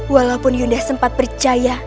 walaupun yunda sempat percaya